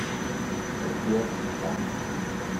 Stoppuhr starten.